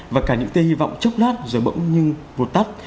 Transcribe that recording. và cả những tê hy vọng chốc lát giờ bỗng nhưng vụt tắt